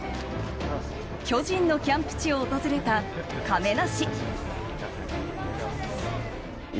巨人のキャンプ地を訪れた亀梨。